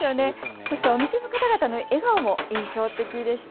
そしてお店の方々の笑顔も印象的でした。